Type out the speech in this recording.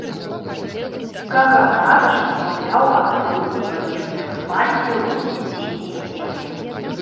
Каганат ажыццяўляў актыўную ваенную экспансію ў суседнія землі.